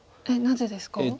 なぜですか？